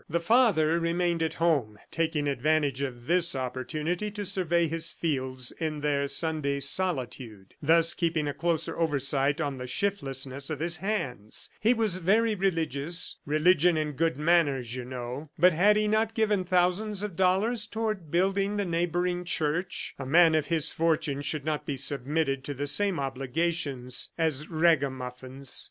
The father remained at home, taking advantage of this opportunity to survey his fields in their Sunday solitude, thus keeping a closer oversight on the shiftlessness of his hands. He was very religious "Religion and good manners, you know." But had he not given thousands of dollars toward building the neighboring church? A man of his fortune should not be submitted to the same obligations as ragamuffins!